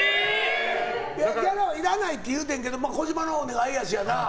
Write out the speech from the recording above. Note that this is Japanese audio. ギャラはいらないって言うてんけど児嶋のお願いやしな。